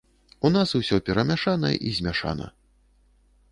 У нас усё перамяшана і змяшана.